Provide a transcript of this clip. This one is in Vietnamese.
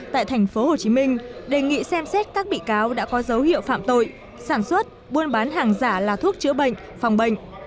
tại tp hcm đề nghị xem xét các bị cáo đã có dấu hiệu phạm tội sản xuất buôn bán hàng giả là thuốc chữa bệnh phòng bệnh